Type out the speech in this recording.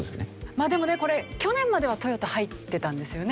まあでもねこれ去年まではトヨタ入ってたんですよね。